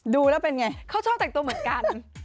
ดูแล้วเป็นไงเขาชอบแต่งตัวเหมือนกัน